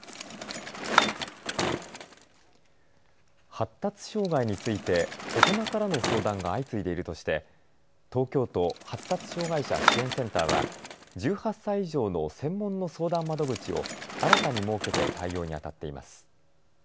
発達障害について大人からの相談が相次いでいるとして東京都発達障害者支援センターは１８歳以上の専門の相談窓口を新たに設けて対応にあたっています。